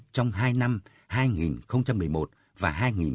trong hai năm hai nghìn một mươi một và hai nghìn một mươi tám